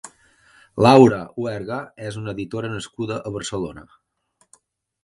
Laura Huerga és una editora nascuda a Barcelona.